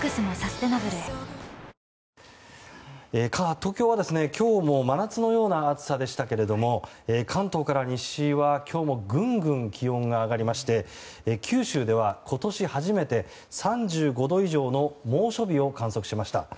東京は今日も真夏のような暑さでしたが関東から西は今日もぐんぐん気温が上がりまして九州では今年初めて３５度以上の猛暑日を観測しました。